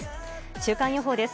週間予報です。